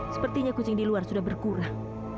sepertinya kucing di luar sudah berkurang